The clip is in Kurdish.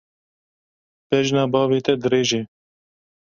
Bejna bavê te dirêj e.